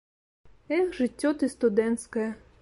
Эх, жыццё ты студэнцкае!